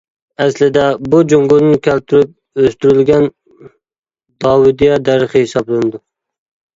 ئەسلىدە بۇ جۇڭگودىن كەلتۈرۈپ ئۆستۈرۈلگەن داۋىدىيە دەرىخى ھېسابلىنىدۇ.